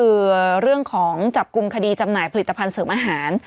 คือเรื่องของจับกลุ่มคดีจำหน่ายผลิตภัณฑ์เสริมอาหาร